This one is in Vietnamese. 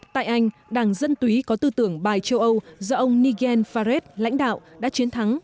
tại anh đảng dân túy có tư tưởng bài châu âu do ông nigel farez lãnh đạo đã chiến thắng